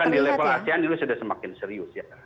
bahkan di level asean ini sudah semakin serius ya